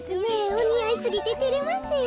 おにあいすぎててれますよ。